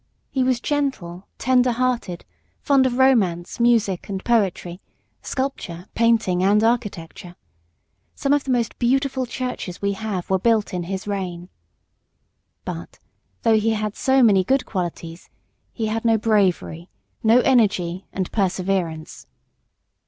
He was gentle, tenderhearted, fond of romance, music and poetry, sculpture, painting and architecture. Some of the most beautiful churches we have were built in his reign. But, though he had so many good qualities, he had no bravery, no energy and perseverance.